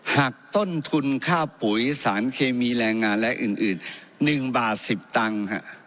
หักต้นทุนค่าปุ๋ยสารเคมีแรงงานและอื่น๑บาท๑๐ตังค์